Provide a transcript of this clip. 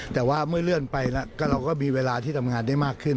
แต่ว่าเมื่อเลื่อนไปแล้วก็เราก็มีเวลาที่ทำงานได้มากขึ้น